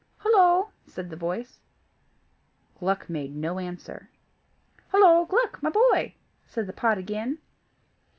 "Hollo!" said the voice. Gluck made no answer. "Hollo! Gluck, my boy," said the pot again.